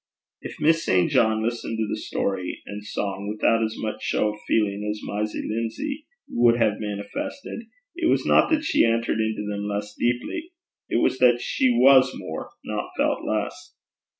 If Miss St. John listened to story and song without as much show of feeling as Mysie Lindsay would have manifested, it was not that she entered into them less deeply. It was that she was more, not felt less.